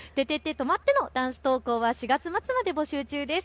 とまって！のダンス投稿は４月末まで募集中です。